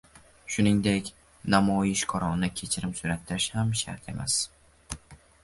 Shuningdek namoyishkorona kechirim so‘rattirish ham shart emas.